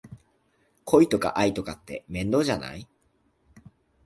恋とか愛とかって面倒じゃない？